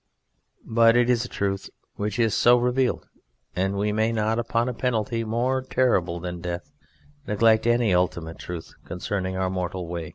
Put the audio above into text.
But it is a truth which is so revealed; and we may not, upon a penalty more terrible than death, neglect any ultimate truth concerning our mortal way.